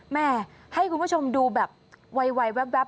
แม่ให้คุณผู้ชมดูแบบไวแว๊บ